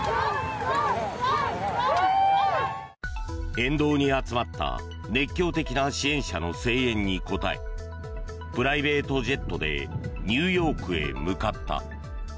沿道に集まった熱狂的な支援者の声援に応えプライベートジェットでニューヨークへ向かった。